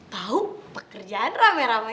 tau pekerjaan rame rame